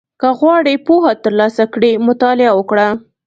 • که غواړې پوهه ترلاسه کړې، مطالعه وکړه.